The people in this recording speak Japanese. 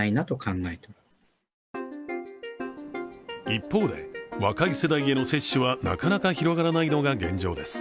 一方で、若い世代への接種はなかなか広がらないのが現状です。